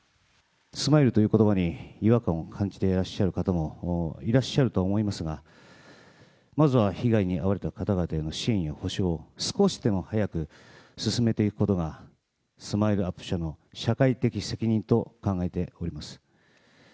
スマイルということばに違和感を感じてらっしゃる方もいらっしゃるとは思いますが、まずは被害に遭われた方々への支援や補償を少しでも早く進めていくことが、スマイルアップ社の社会的責任と考えております。